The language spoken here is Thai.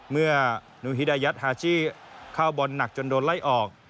เมื่อนุฮิดายัตธ์ฮาชีเข้าบอลหนักจนโดนไล่ออก